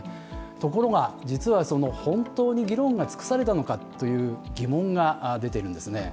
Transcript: ところが、実は本当に議論が尽くされたのかという疑問が出ているんですね